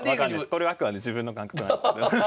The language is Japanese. これはあくまで自分の感覚なんですけど。